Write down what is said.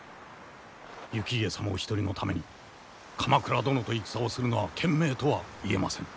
お一人のために鎌倉殿と戦をするのは賢明とは言えませぬ。